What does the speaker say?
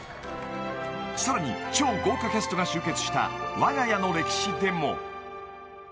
［さらに超豪華キャストが集結した『わが家の歴史』でも］